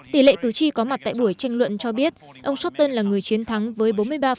tỷ lệ cử tri có mặt tại buổi tranh luận cho biết ông sutton là người chiến thắng với bốn mươi ba